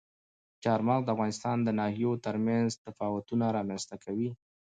چار مغز د افغانستان د ناحیو ترمنځ تفاوتونه رامنځته کوي.